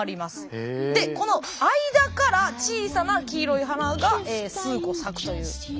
でこの間から小さな黄色い花が数個咲くという。